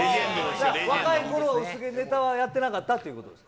若いころ、薄毛ネタはやってなかったということですか。